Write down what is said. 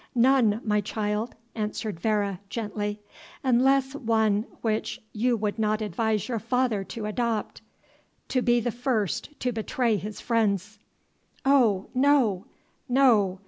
"None, my child," answered Vere, gently, "unless one which you would not advise your father to adopt to be the first to betray his friends." "O, no! no!"